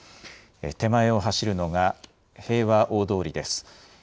手前を走るのが平和大通りです。